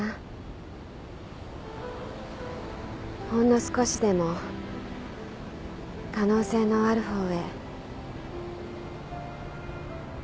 ほんの少しでも可能性のあるほうへ。